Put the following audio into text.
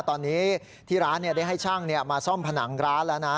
ตอนนี้ที่ร้านได้ให้ช่างมาซ่อมผนังร้านแล้วนะ